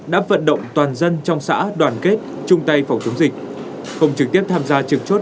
đã vận động toàn dân trong xã đoàn kết chung tay phòng chống dịch không trực tiếp tham gia trực chốt